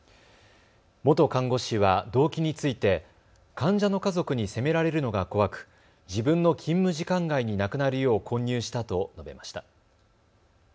元看護師は動機について患者の家族に責められるのが怖く、自分の勤務時間外に亡くなるよう混入したと述べました。